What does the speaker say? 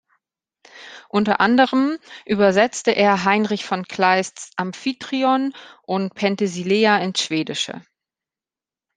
Unter anderem übersetzte er Heinrich von Kleists "Amphitryon" und "Penthesilea" ins Schwedische.